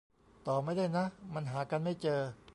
ต่อไม่ได้นะ มันหากันไม่เจอ